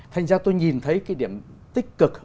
thành ra tôi nhìn thấy cái điểm tích cực